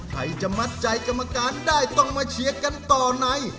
ใครจะมัดใจกรรมการได้ต้องมาเชียร์กันต่อใน